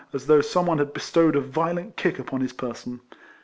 145 as though some one had bestowed a violent kick upon his person.